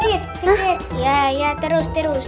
iya terus terus